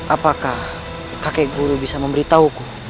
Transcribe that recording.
apakah kakek guru bisa memberitahuku